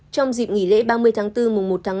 trong dịp nghỉ lễ ba mươi tháng bốn mùa một tháng năm